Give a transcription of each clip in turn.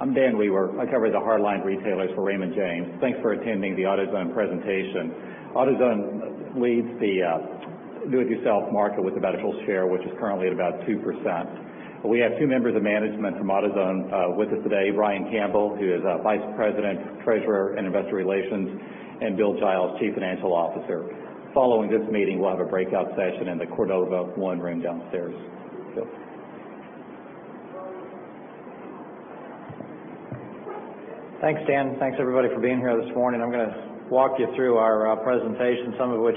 I'm Dan Wewer. I cover the hardline retailers for Raymond James. Thanks for attending the AutoZone presentation. AutoZone leads the do-it-yourself market with a better share, which is currently at about 2%. We have two members of management from AutoZone with us today, Brian Campbell, who is Vice President, Treasurer, and Investor Relations, and Bill Giles, Chief Financial Officer. Following this meeting, we'll have a breakout session in the Cordova one room downstairs. Bill. Thanks, Dan. Thanks, everybody, for being here this morning. I'm going to walk you through our presentation, some of which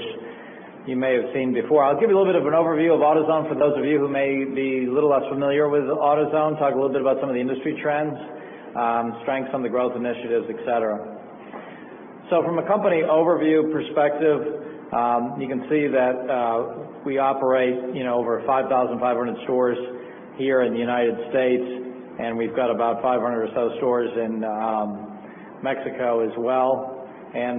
you may have seen before. I'll give you a little bit of an overview of AutoZone for those of you who may be a little less familiar with AutoZone, talk a little bit about some of the industry trends, strengths on the growth initiatives, et cetera. From a company overview perspective, you can see that we operate over 5,500 stores here in the U.S., and we've got about 500 or so stores in Mexico as well.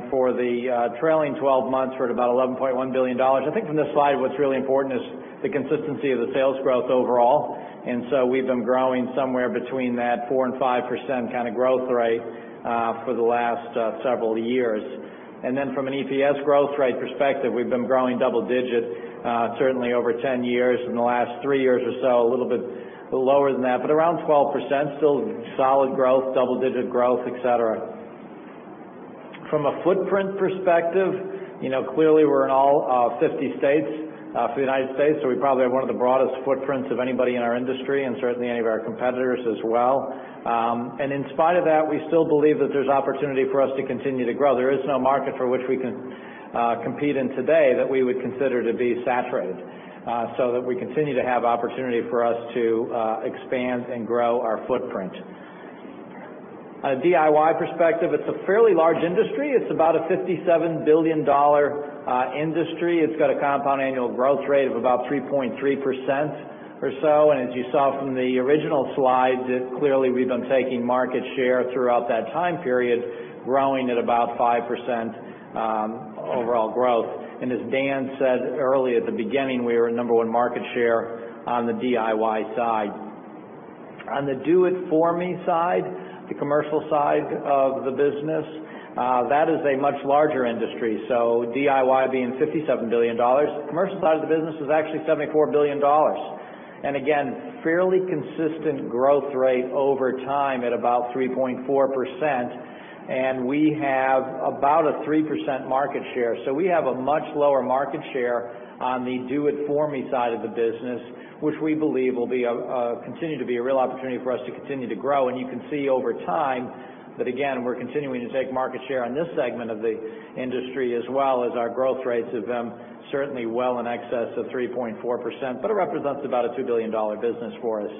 For the trailing 12 months, we're at about $11.1 billion. I think from this slide, what's really important is the consistency of the sales growth overall. We've been growing somewhere between that 4%-5% growth rate for the last several years. From an EPS growth rate perspective, we've been growing double digit certainly over 10 years. In the last three years or so, a little bit lower than that, but around 12%, still solid growth, double-digit growth, et cetera. From a footprint perspective, clearly we're in all 50 states through the U.S., so we probably have one of the broadest footprints of anybody in our industry and certainly any of our competitors as well. In spite of that, we still believe that there's opportunity for us to continue to grow. There is no market for which we can compete in today that we would consider to be saturated, so that we continue to have opportunity for us to expand and grow our footprint. A DIY perspective, it's a fairly large industry. It's about a $57 billion industry. It's got a compound annual growth rate of about 3.3% or so. As you saw from the original slide, clearly we've been taking market share throughout that time period, growing at about 5% overall growth. As Dan said early at the beginning, we are number one market share on the DIY side. On the do-it-for-me side, the commercial side of the business, that is a much larger industry. DIY being $57 billion, commercial side of the business is actually $74 billion. Again, fairly consistent growth rate over time at about 3.4%, and we have about a 3% market share. We have a much lower market share on the do-it-for-me side of the business, which we believe will continue to be a real opportunity for us to continue to grow. You can see over time that, again, we're continuing to take market share on this segment of the industry as well, as our growth rates have been certainly well in excess of 3.4%, but it represents about a $2 billion business for us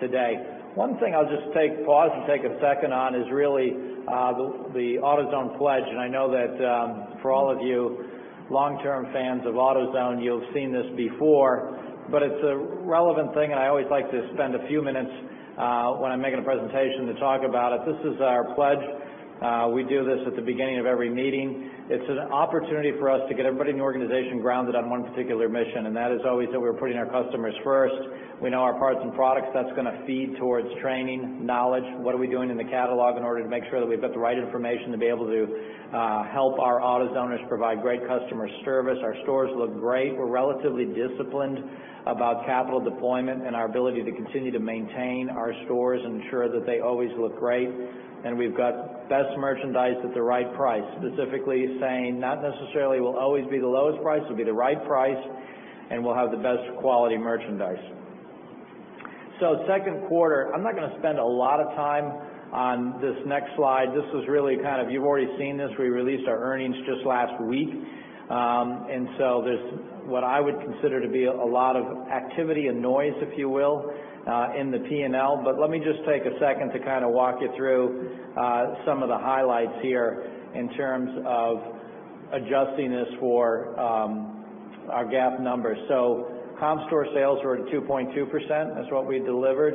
today. One thing I'll just pause and take a second on is really the AutoZone pledge. I know that for all of you long-term fans of AutoZone, you'll have seen this before, but it's a relevant thing, and I always like to spend a few minutes when I'm making a presentation to talk about it. This is our pledge. We do this at the beginning of every meeting. It's an opportunity for us to get everybody in the organization grounded on one particular mission, and that is always that we're putting our customers first. We know our parts and products. That's going to feed towards training, knowledge. What are we doing in the catalog in order to make sure that we've got the right information to be able to help our AutoZoners provide great customer service? Our stores look great. We're relatively disciplined about capital deployment and our ability to continue to maintain our stores and ensure that they always look great. We've got the best merchandise at the right price, specifically saying not necessarily we'll always be the lowest price, we'll be the right price, and we'll have the best quality merchandise. Second quarter, I'm not going to spend a lot of time on this next slide. You've already seen this. We released our earnings just last week. There's what I would consider to be a lot of activity and noise, if you will, in the P&L. Let me just take a second to walk you through some of the highlights here in terms of adjusting this for our GAAP numbers. Comp store sales were at 2.2%. That's what we delivered.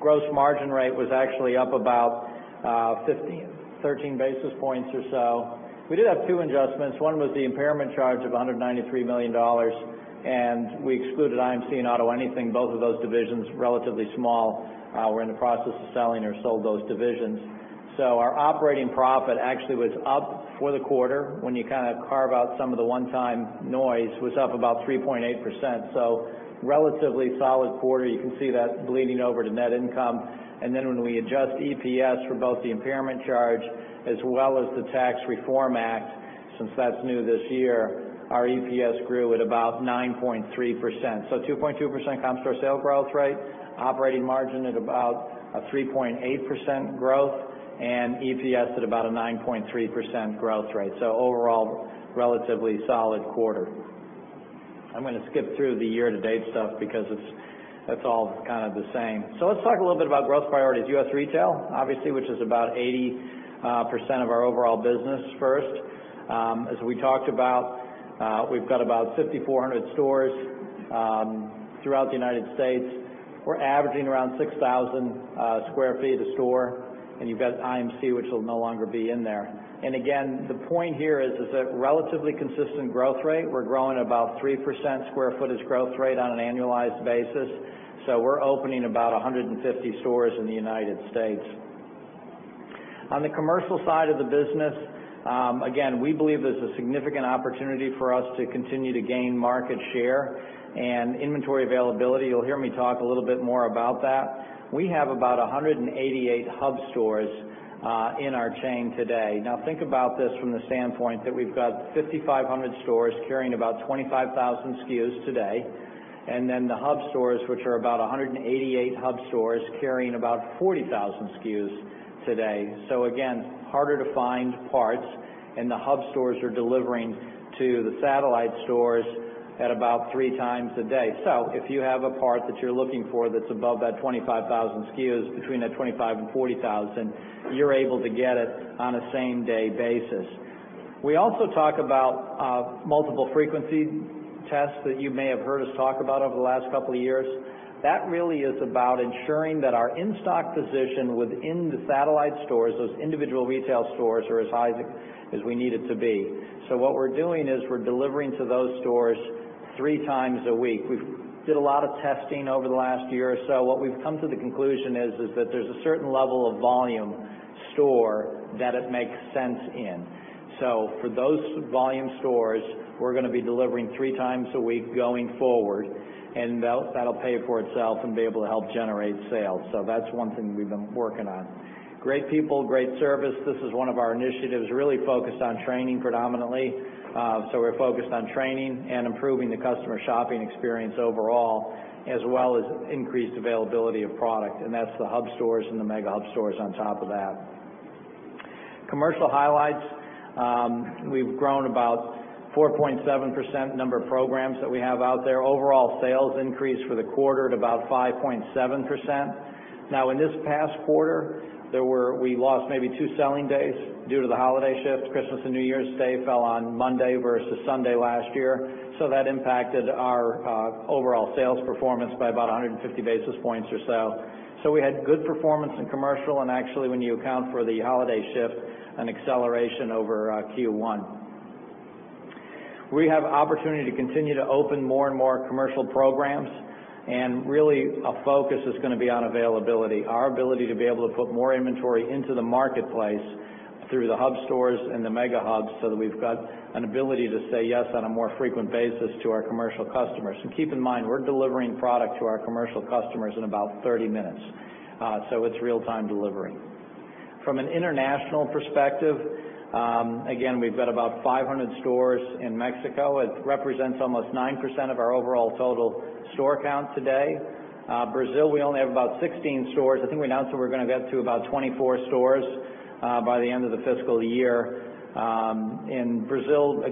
Gross margin rate was actually up about 13 basis points or so. We did have two adjustments. One was the impairment charge of $193 million. We excluded IMC and AutoAnything, both of those divisions, relatively small. We're in the process of selling or sold those divisions. Our operating profit actually was up for the quarter. When you carve out some of the one-time noise, was up about 3.8%. Relatively solid quarter. You can see that bleeding over to net income. Then when we adjust EPS for both the impairment charge as well as the Tax Reform Act, since that's new this year, our EPS grew at about 9.3%. 2.2% comp store sale growth rate, operating margin at about a 3.8% growth, and EPS at about a 9.3% growth rate. Overall, relatively solid quarter. I'm going to skip through the year-to-date stuff because it's all kind of the same. Let's talk a little bit about growth priorities. U.S. retail, obviously, which is about 80% of our overall business first. As we talked about, we've got about 5,400 stores throughout the United States. We're averaging around 6,000 sq ft a store. You've got IMC, which will no longer be in there. Again, the point here is it's a relatively consistent growth rate. We're growing about 3% square footage growth rate on an annualized basis. We're opening about 150 stores in the United States. We believe there's a significant opportunity for us to continue to gain market share and inventory availability. You'll hear me talk a little bit more about that. We have about 188 hub stores in our chain today. Think about this from the standpoint that we've got 5,500 stores carrying about 25,000 SKUs today, and then the hub stores, which are about 188 hub stores carrying about 40,000 SKUs today. Harder to find parts, and the hub stores are delivering to the satellite stores at about three times a day. If you have a part that you're looking for that's above that 25,000 SKUs, between that 25,000 and 40,000, you're able to get it on a same-day basis. We also talk about multiple frequency tests that you may have heard us talk about over the last couple of years. That really is about ensuring that our in-stock position within the satellite stores, those individual retail stores, are as high as we need it to be. We're delivering to those stores three times a week. We did a lot of testing over the last year or so. What we've come to the conclusion is that there's a certain level of volume store that it makes sense in. For those volume stores, we're going to be delivering three times a week going forward, and that'll pay for itself and be able to help generate sales. That's one thing we've been working on. Great people, great service. This is one of our initiatives, really focused on training predominantly. We're focused on training and improving the customer shopping experience overall, as well as increased availability of product, and that's the hub stores and the mega hub stores on top of that. Commercial highlights. We've grown about 4.7% number of programs that we have out there. Overall sales increased for the quarter at about 5.7%. In this past quarter, we lost maybe two selling days due to the holiday shift. Christmas and New Year's Day fell on Monday versus Sunday last year, that impacted our overall sales performance by about 150 basis points or so. We had good performance in commercial, and actually, when you account for the holiday shift, an acceleration over Q1. We have opportunity to continue to open more and more commercial programs, and really a focus is going to be on availability, our ability to be able to put more inventory into the marketplace through the hub stores and the mega hubs so that we've got an ability to say yes on a more frequent basis to our commercial customers. Keep in mind, we're delivering product to our commercial customers in about 30 minutes. It's real-time delivery. From an international perspective, we've got about 500 stores in Mexico. It represents almost 9% of our overall total store count today. Brazil, we only have about 16 stores. I think we announced that we're going to get to about 24 stores by the end of the fiscal year. In Brazil,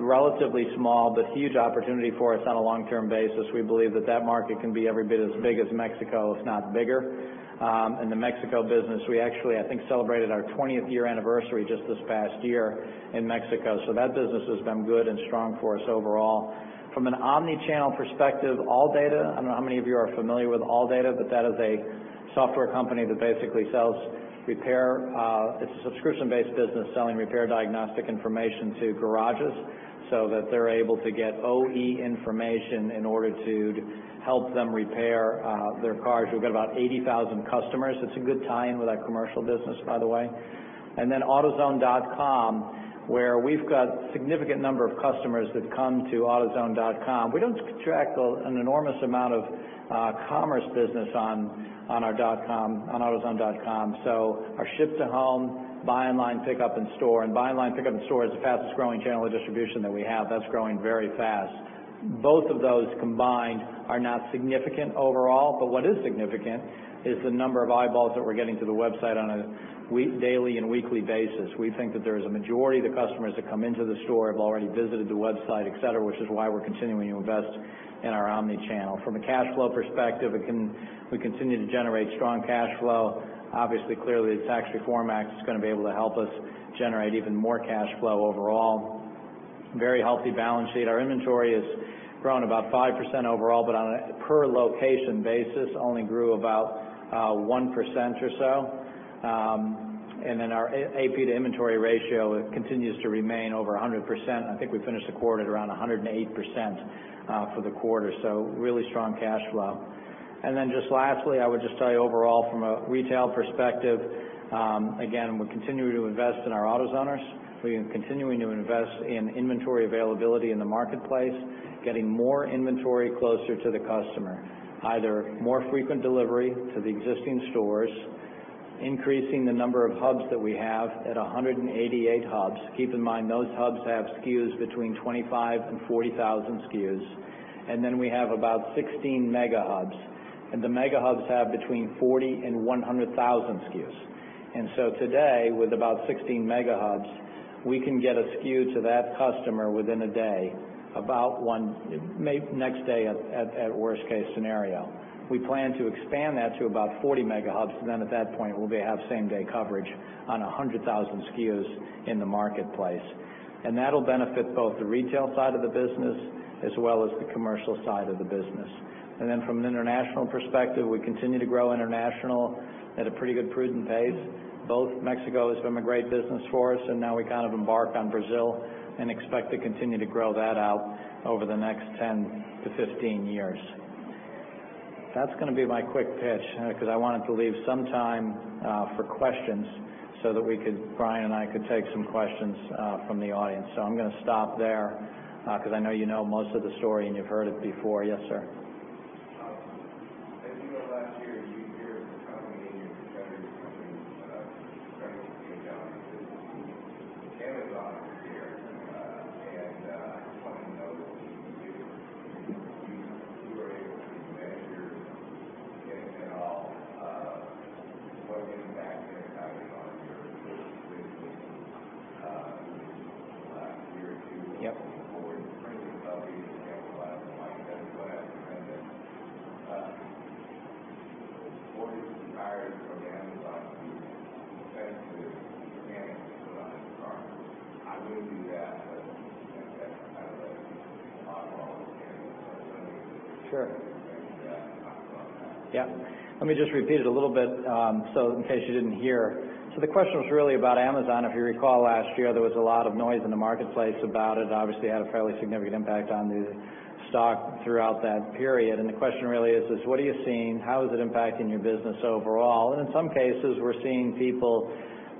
relatively small, but huge opportunity for us on a long-term basis. We believe that that market can be every bit as big as Mexico, if not bigger. In the Mexico business, we actually, I think, celebrated our 20th year anniversary just this past year in Mexico. That business has been good and strong for us overall. From an omni-channel perspective, ALLDATA, I don't know how many of you are familiar with ALLDATA, but that is a software company that basically sells repair. It's a subscription-based business selling repair diagnostic information to garages so that they're able to get OE information in order to help them repair their cars. We've got about 80,000 customers. It's a good tie-in with our commercial business, by the way. autozone.com, where we've got significant number of customers that come to autozone.com. We don't track an enormous amount of commerce business on our .com, on autozone.com. Our ship to home, buy online, pick up in store, and buy online, pick up in store is the fastest growing channel of distribution that we have. That's growing very fast. Both of those combined are not significant overall, but what is significant is the number of eyeballs that we're getting to the website on a daily and weekly basis. We think that there is a majority of the customers that come into the store have already visited the website, et cetera, which is why we're continuing to invest in our omni-channel. From a cash flow perspective, we continue to generate strong cash flow. Obviously, clearly, the Tax Reform Act is going to be able to help us generate even more cash flow overall. Very healthy balance sheet. Our inventory has grown about 5% overall, but on a per location basis, only grew about 1% or so. Our AP to inventory ratio continues to remain over 100%. I think we finished the quarter at around 108% for the quarter. Really strong cash flow. Just lastly, I would just tell you overall from a retail perspective, again, we're continuing to invest in our AutoZoners. We are continuing to invest in inventory availability in the marketplace, getting more inventory closer to the customer, either more frequent delivery to the existing stores, increasing the number of hubs that we have at 188 hubs. Keep in mind, those hubs have SKUs between 25,000 and 40,000 SKUs. Then we have about 16 mega hubs, and the mega hubs have between 40,000 and 100,000 SKUs. Today, with about 16 mega hubs, we can get a SKU to that customer within a day, about one, next day at worst case scenario. We plan to expand that to about 40 mega hubs. Then at that point, we'll have same-day coverage on 100,000 SKUs in the marketplace. That'll benefit both the retail side of the business as well as the commercial side of the business. From an international perspective, we continue to grow international at a pretty good prudent pace. Both Mexico has been a great business for us, and now we kind of embark on Brazil and expect to continue to grow that out over the next 10 to 15 years. That's going to be my quick pitch because I wanted to leave some time for questions so that Brian and I could take some questions from the audience. I'm going to stop there because I know you know most of the story and you've heard it before. Yes, sir.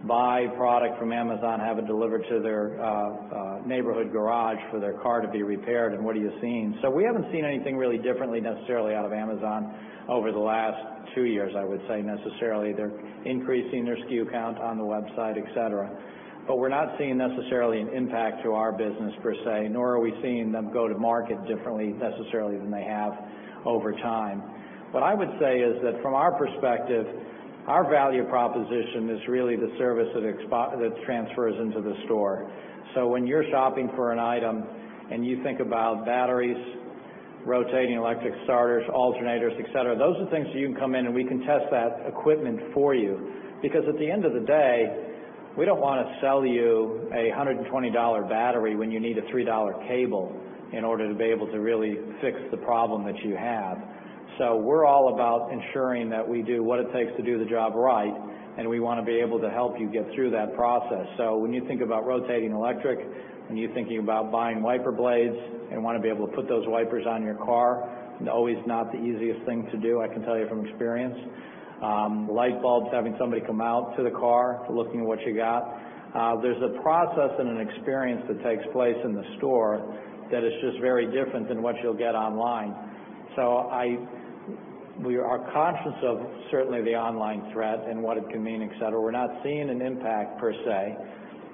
buy product from Amazon, have it delivered to their neighborhood garage for their car to be repaired, and what are you seeing? We haven't seen anything really differently necessarily out of Amazon over the last two years, I would say, necessarily. They're increasing their SKU count on the website, et cetera. We're not seeing necessarily an impact to our business per se, nor are we seeing them go to market differently necessarily than they have over time. What I would say is that from our perspective, our value proposition is really the service that transfers into the store. When you're shopping for an item and you think about batteries, rotating electrical starters, alternators, et cetera, those are things you can come in and we can test that equipment for you. Because at the end of the day, we don't want to sell you a $120 battery when you need a $3 cable in order to be able to really fix the problem that you have. We're all about ensuring that we do what it takes to do the job right, and we want to be able to help you get through that process. When you think about rotating electrical, when you're thinking about buying wiper blades and want to be able to put those wipers on your car, and always not the easiest thing to do, I can tell you from experience. Light bulbs, having somebody come out to the car to look at what you got. There's a process and an experience that takes place in the store that is just very different than what you'll get online. We are conscious of certainly the online threat and what it can mean, et cetera. We're not seeing an impact per se,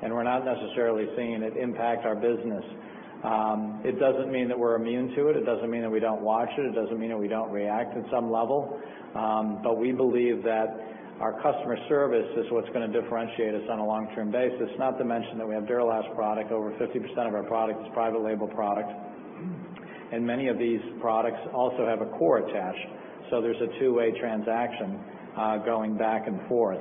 and we're not necessarily seeing it impact our business. It doesn't mean that we're immune to it. It doesn't mean that we don't watch it. It doesn't mean that we don't react at some level. We believe that our customer service is what's going to differentiate us on a long-term basis. Not to mention that we have Duralast product. Over 50% of our product is private label product. Many of these products also have a core attached, so there's a two-way transaction going back and forth.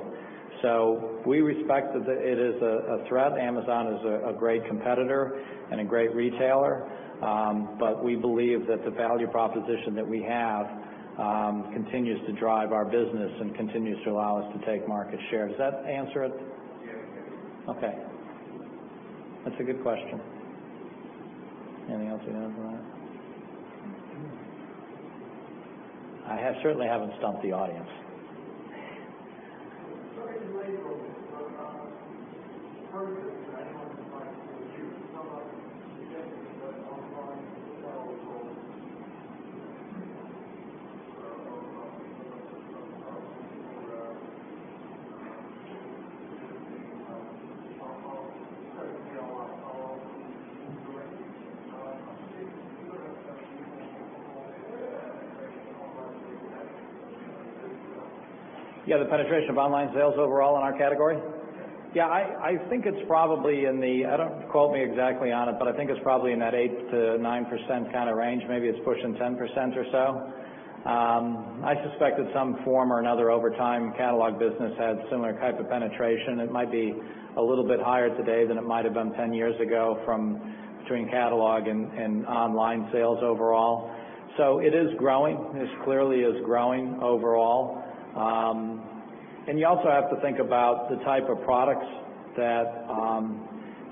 We respect that it is a threat. Amazon is a great competitor and a great retailer, but we believe that the value proposition that we have continues to drive our business and continues to allow us to take market share. Does that answer it? Yeah, it does. Okay. That's a good question. Anything else you have, Brian? I certainly haven't stumped the audience. Sorry to belabor this, but I've heard that anyone can find SKU. It's not like it's unique, but online catalogs or even other systems, obviously, people are I'm just trying to see how it all integrates. I'm just curious, do you have a sense of what the overall penetration of online sales is? Yeah, the penetration of online sales overall in our category? Yeah. Yeah, I think it's probably Don't quote me exactly on it, but I think it's probably in that 8%-9% kind of range. Maybe it's pushing 10% or so. I suspect that some form or another over time, catalog business had similar type of penetration. It might be a little bit higher today than it might've been 10 years ago between catalog and online sales overall. It is growing. This clearly is growing overall. You also have to think about the type of products that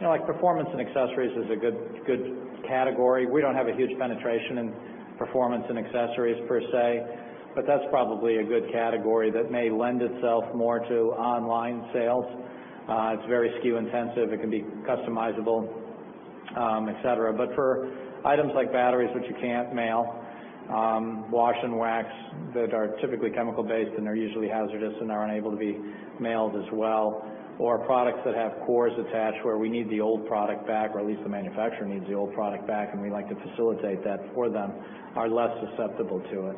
Like Performance and accessories is a good category. We don't have a huge penetration in Performance and accessories per se, but that's probably a good category that may lend itself more to online sales. It's very SKU-intensive. It can be customizable, et cetera. For items like batteries, which you can't mail, wash and wax that are typically chemical-based and are usually hazardous and are unable to be mailed as well, or products that have cores attached where we need the old product back, or at least the manufacturer needs the old product back and we like to facilitate that for them, are less susceptible to it.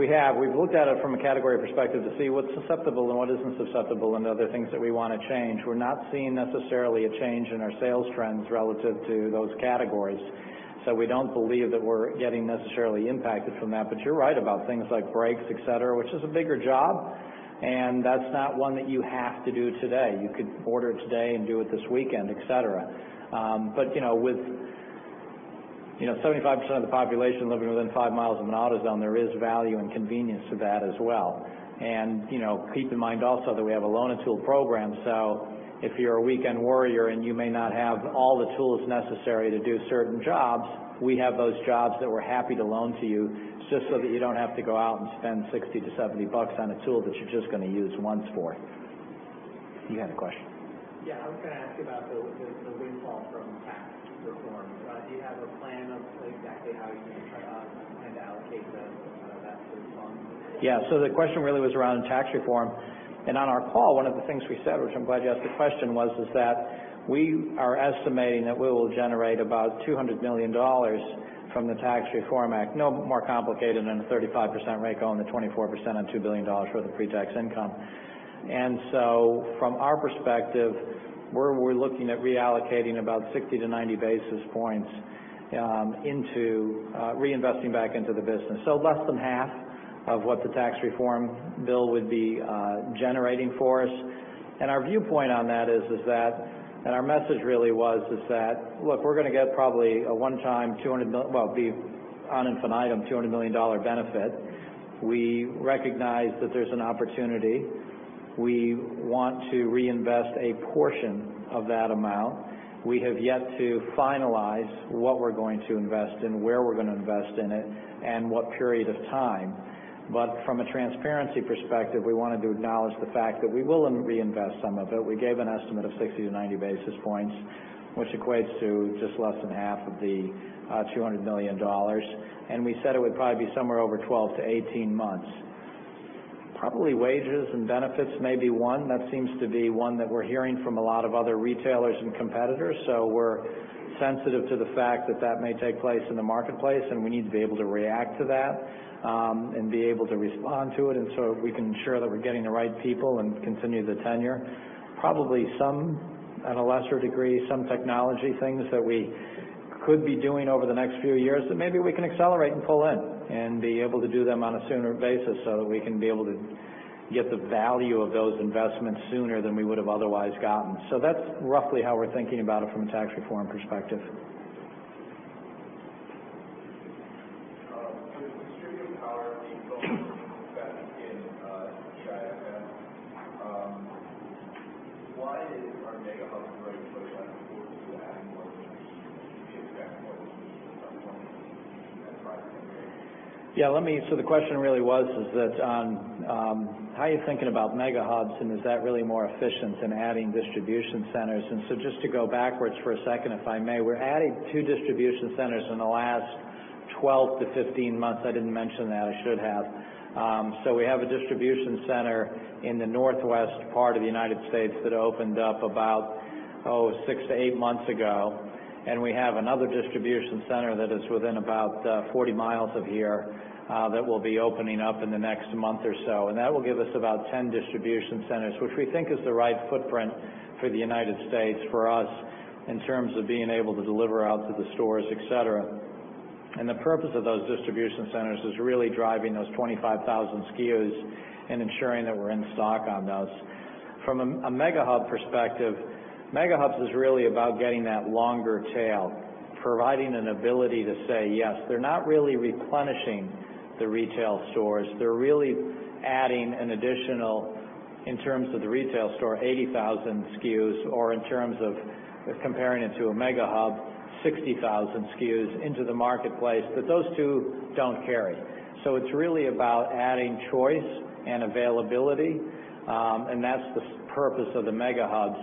I kind of look at it by SKU basis. Do you manage certain categories, probably 60%-80%, through the mail-in piece? Something like that core, send it back, get my money back for a while. Have you broken it down by those categories to see where you're stronger or where those are? We have. We've looked at it from a category perspective to see what's susceptible and what isn't susceptible and other things that we want to change. We're not seeing necessarily a change in our sales trends relative to those categories. We don't believe that we're getting necessarily impacted from that. You're right about things like brakes, et cetera, which is a bigger job, and that's not one that you have to do today. You could order it today and do it this weekend, et cetera. With 75% of the population living within five miles of an AutoZone, there is value and convenience to that as well. Keep in mind also that we have a Loan-A-Tool program. If you're a weekend warrior, and you may not have all the tools necessary to do certain jobs, we have those jobs that we're happy to loan to you just so that you don't have to go out and spend $60-$70 on a tool that you're just going to use once for. You had a question. Yeah, I was going to ask you about the windfall from tax reform. Do you have a plan of exactly how you're going to try and allocate those funds? The question really was around tax reform. On our call, one of the things we said, which I'm glad you asked the question, was is that we are estimating that we will generate about $200 million from the Tax Reform Act, no more complicated than a 35% rate going to 24% on $2 billion worth of pre-tax income. From our perspective, we're looking at reallocating about 60 to 90 basis points, reinvesting back into the business. Less than half of what the tax reform bill would be generating for us. Our viewpoint on that is that, and our message really was, is that, look, we're going to get probably a one-time, ad infinitum, $200 million benefit. We recognize that there's an opportunity. We want to reinvest a portion of that amount. We have yet to finalize what we're going to invest and where we're going to invest in it, and what period of time. From a transparency perspective, we wanted to acknowledge the fact that we will reinvest some of it. We gave an estimate of 60 to 90 basis points, which equates to just less than half of the $200 million. We said it would probably be somewhere over 12 to 18 months. Probably wages and benefits may be one. That seems to be one that we're hearing from a lot of other retailers and competitors. We're sensitive to the fact that that may take place in the marketplace, and we need to be able to react to that, and be able to respond to it, and so we can ensure that we're getting the right people and continue the tenure. Probably some, at a lesser degree, some technology things that we could be doing over the next few years that maybe we can accelerate and pull in, and be able to do them on a sooner basis so that we can be able to get the value of those investments sooner than we would have otherwise gotten. That's roughly how we're thinking about it from a tax reform perspective. With distributed power being so invested in why is our mega hub approach so much more to adding more distribution instead of more at a private location? Yeah. The question really was is that on how are you thinking about mega hubs, is that really more efficient than adding distribution centers? Just to go backwards for a second, if I may, we're adding two distribution centers in the last 12 to 15 months. I didn't mention that, I should have. We have a distribution center in the northwest part of the United States that opened up about six to eight months ago, and we have another distribution center that is within about 40 miles of here, that will be opening up in the next month or so. That will give us about 10 distribution centers, which we think is the right footprint for the United States for us in terms of being able to deliver out to the stores, et cetera. The purpose of those distribution centers is really driving those 25,000 SKUs and ensuring that we're in stock on those. From a mega hub perspective, mega hubs is really about getting that longer tail, providing an ability to say yes. They're not really replenishing the retail stores. They're really adding an additional, in terms of the retail store, 80,000 SKUs, or in terms of comparing it to a mega hub, 60,000 SKUs into the marketplace. Those two don't carry. It's really about adding choice and availability, and that's the purpose of the mega hubs.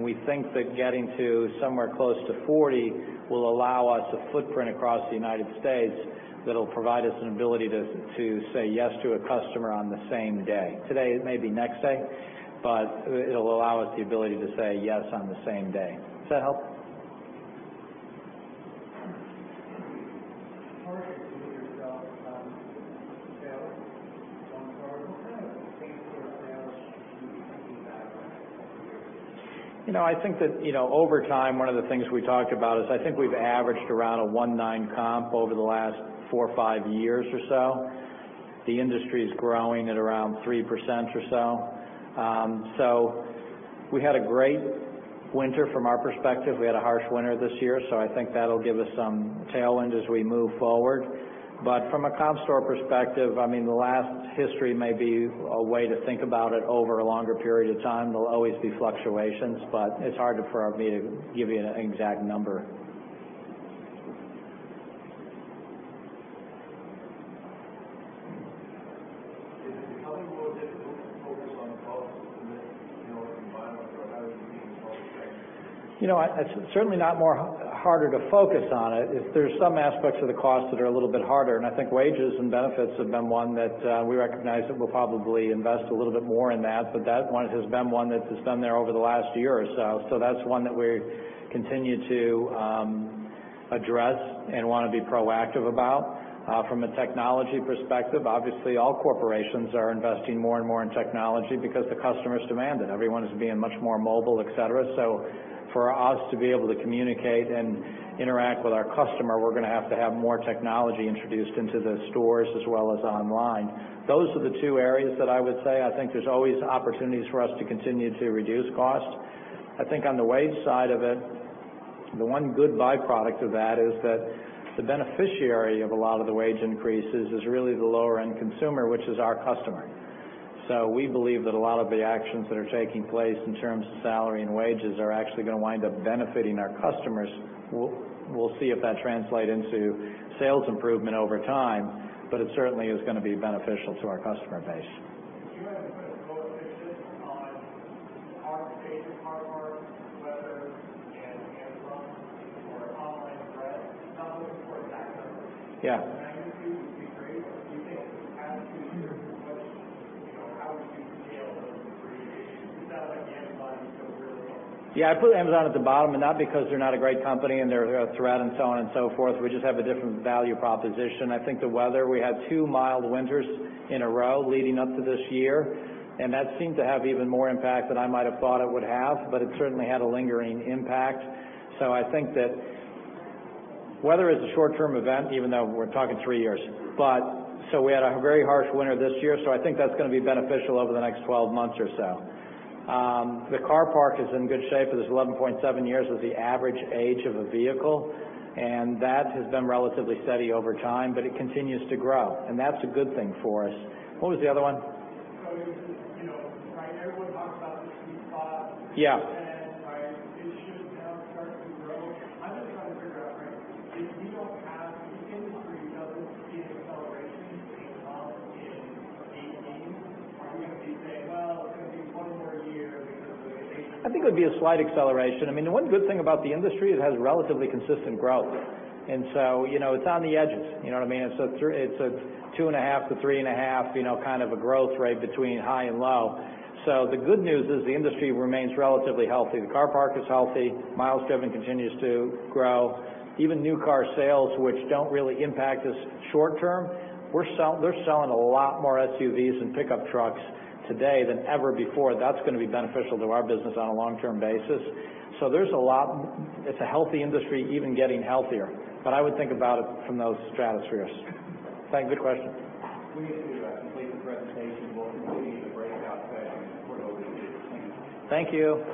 We think that getting to somewhere close to 40 will allow us a footprint across the United States that'll provide us an ability to say yes to a customer on the same day. Today, it may be next day, but it'll allow us the ability to say yes on the same day. Does that help? What kind of same store sales should we be thinking about over the years? I think that, over time, one of the things we talked about is I think we've averaged around a 1.9 comp over the last four or five years or so. The industry is growing at around 3% or so. We had a great winter from our perspective. We had a harsh winter this year, I think that'll give us some tailwind as we move forward. From a comp store perspective, the last history may be a way to think about it over a longer period of time. There'll always be fluctuations, but it's hard for me to give you an exact number. Is it becoming more difficult to focus on costs in this economic environment, or how have you been able to manage that? It's certainly not more harder to focus on it. There's some aspects of the cost that are a little bit harder, I think wages and benefits have been one that we recognize that we'll probably invest a little bit more in that. That one has been one that has been there over the last year or so. That's one that we continue to address and want to be proactive about. From a technology perspective, obviously, all corporations are investing more and more in technology because the customers demand it. Everyone is being much more mobile, et cetera. For us to be able to communicate and interact with our customer, we're going to have to have more technology introduced into the stores as well as online. Those are the two areas that I would say I think there's always opportunities for us to continue to reduce cost. I think on the wage side of it, the one good byproduct of that is that the beneficiary of a lot of the wage increases is really the lower-end consumer, which is our customer. We believe that a lot of the actions that are taking place in terms of salary and wages are actually going to wind up benefiting our customers. We'll see if that translate into sales improvement over time, but it certainly is going to be beneficial to our customer base. If you had to put a bullet point system on car parc, car park, weather, and Amazon or online threat, not looking for a exact number Yeah Magnitude would be great. Do you think it has to do with how we scale those three issues? Because that Amazon is a real- Yeah, I put Amazon at the bottom, and not because they're not a great company and they're a threat and so on and so forth. We just have a different value proposition. I think the weather, we had two mild winters in a row leading up to this year, and that seemed to have even more impact than I might have thought it would have, but it certainly had a lingering impact. I think that weather is a short-term event, even though we're talking three years. We had a very harsh winter this year, so I think that's going to be beneficial over the next 12 months or so. The car park is in good shape, as 11.7 years is the average age of a vehicle, and that has been relatively steady over time, but it continues to grow, and that's a good thing for us. What was the other one? Everyone talks about the sweet spot. Yeah. It should now start to grow. I'm just trying to figure out, if we don't have the industry doesn't see an acceleration in comp in 2018, are we going to be saying, "Well, it's going to be 20 more years because of the inflation? I think it would be a slight acceleration. One good thing about the industry, it has relatively consistent growth, it's on the edges. You know what I mean? It's a two and a half to three and a half, kind of a growth rate between high and low. The good news is the industry remains relatively healthy. The car park is healthy. Miles driven continues to grow. Even new car sales, which don't really impact us short-term, they're selling a lot more SUVs and pickup trucks today than ever before. That's going to be beneficial to our business on a long-term basis. It's a healthy industry, even getting healthier. I would think about it from those stratospheres. Thanks. Good question. We need to complete the presentation. We'll continue the breakout sessions for the oversea teams. Thank you